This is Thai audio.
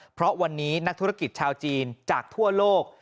เพราะวันนี้นักธุรกิจชาวจีนจากทั่วโลก